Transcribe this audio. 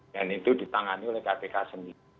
dan itu ditangani oleh kpk sendiri